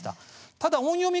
ただ音読み